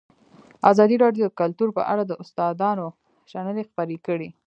ازادي راډیو د کلتور په اړه د استادانو شننې خپرې کړي.